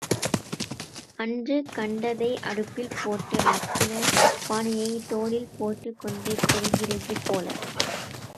அன்று கண்டதை அடுப்பில் போட்டு ஆக்கின பானையைத் தோளில் போட்டுக் கொண்டு திரிகிறது போல.